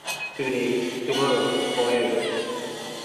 Today, tomorrow, forever.